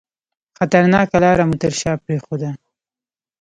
خطرناکه لار مو تر شاه پرېښوده.